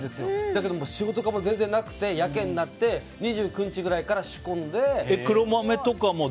だけど仕事が全然なくてやけになって２９日ぐらいから仕込んで。